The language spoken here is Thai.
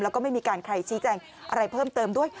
แล้วก็ไม่มีการใครชี้แจงอะไรเพิ่มเติมด้วย